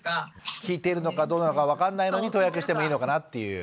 効いているのかどうなのか分かんないのに投薬してもいいのかなっていう。